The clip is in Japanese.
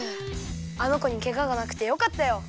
あのこにケガがなくてよかったよ。